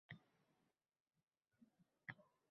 Yomonlar boshqacha bo‘ladi.